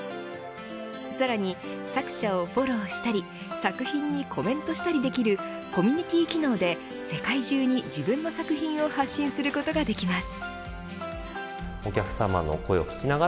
さらに、作者をフォローしたり作品にコメントしたりできるコミュニティー機能で世界中に自分の作品を発信することができます。